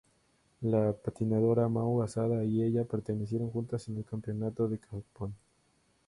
La patinadora Mao Asada y ella aparecieron juntas en el Campeonato de Japón.